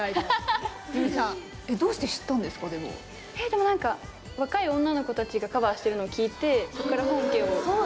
でも何か若い女の子たちがカバーしてるのを聴いてそこから本家を聴いたらワオみたいに。